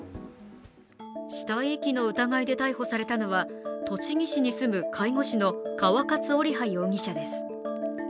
死体遺棄の疑いで逮捕されたのは栃木市に住む介護士の川勝織羽容疑者です。